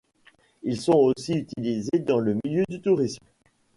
Ils sont aussi utilisés dans le milieu du tourisme.